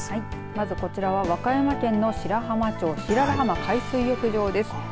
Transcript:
まずこちらは和歌山県の白浜町、白良浜海水浴場です。